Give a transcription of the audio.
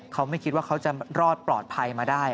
เขาไม่คิดว่าเขาจะรอดปลอดภัยมาได้